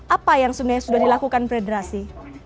apa yang sebenarnya sudah dilakukan federasi